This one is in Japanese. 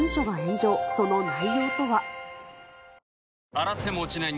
洗っても落ちない